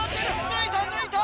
抜いた抜いた！